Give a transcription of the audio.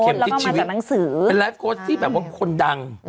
เข็มทิศชีวิตเป็นไลฟ์โค้ดเป็นแบบว่าคนดัง